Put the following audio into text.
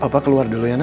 papa keluar dulu ya na